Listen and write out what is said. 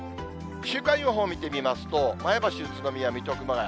週間予報見てみますと、前橋、宇都宮、水戸、熊谷。